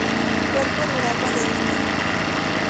Cuerpo Rural maderista.